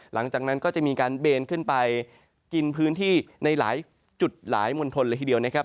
หลังจากนั้นก็จะมีการเบนขึ้นไปกินพื้นที่ในหลายจุดหลายมณฑลเลยทีเดียวนะครับ